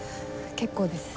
結構です。